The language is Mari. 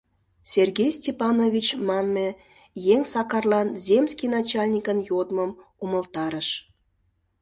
Сергей Степанович манме еҥ Сакарлан земский начальникын йодмым умылтарыш.